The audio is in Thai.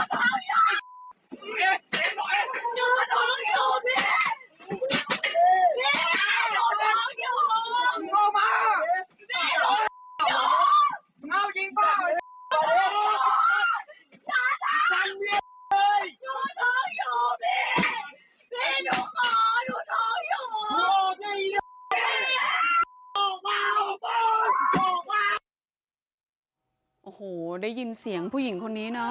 เฮ้ยหนูท้องอยู่พี่